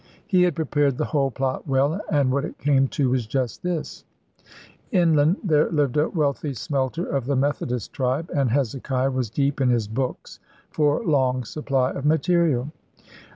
He had prepared the whole plot well, and what it came to was just this: Inland there lived a wealthy smelter of the Methodist tribe, and Hezekiah was deep in his books for long supply of material.